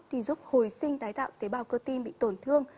thì giúp hồi sinh tái tạo tế bào cơ tim bị tổn thương